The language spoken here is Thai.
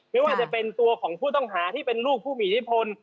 ไม่ว่าจะเป็นตัวของผู้ต้องหาที่เป็นลูกผู้มีอิทธิพล